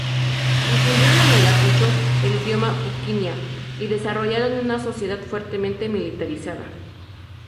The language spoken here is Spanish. Difundieron en Ayacucho el idioma puquina y desarrollaron una sociedad fuertemente militarizada.